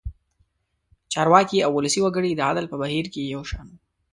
چارواکي او ولسي وګړي د عدل په بهیر کې یو شان وو.